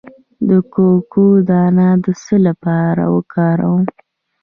د کوکو دانه د څه لپاره وکاروم؟